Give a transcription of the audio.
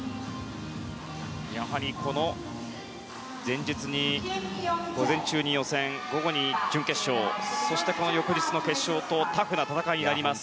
やはりこの前日に午前中に予選午後に準決勝そしてこの翌日の決勝とタフな戦いになります。